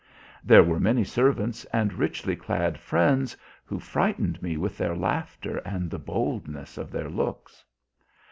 There were many servants and richly clad friends, who frightened me with their laughter and the boldness of their looks.